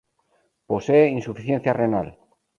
Posee insuficiencia renal.